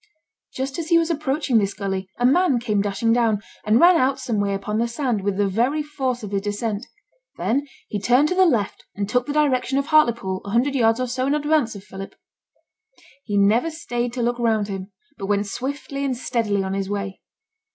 Just as he was approaching this gully, a man came dashing down, and ran out some way upon the sand with the very force of his descent; then he turned to the left and took the direction of Hartlepool a hundred yards or so in advance of Philip. He never stayed to look round him, but went swiftly and steadily on his way.